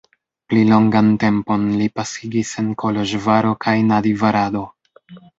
Pli longan tempon li pasigis en Koloĵvaro kaj Nadjvarado.